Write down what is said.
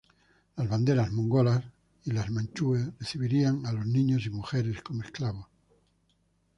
Las banderas mongolas y los manchúes recibirían a los niños y mujeres como esclavos.